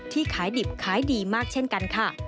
ขายดิบขายดีมากเช่นกันค่ะ